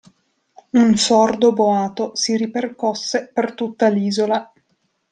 Un sordo boato si ripercosse per tutta l'isola.